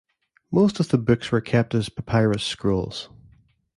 Most of the books were kept as papyrus scrolls.